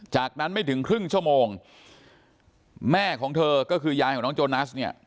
จากนั้นไม่ถึงครึ่งชั่วโมงแม่ของเธอก็คือยายของน้องโจนัสเนี่ย